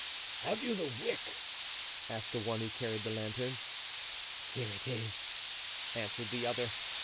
"Have you the wick?" asked the one who carried the lantern. "Here it is," answered the other.